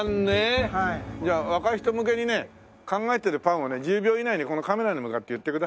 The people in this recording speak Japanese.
じゃあ若い人向けにね考えてるパンをね１０秒以内にこのカメラに向かって言ってください。